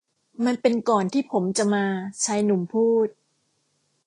มันเป็นก่อนที่ผมจะมา ชายหนุ่มพูด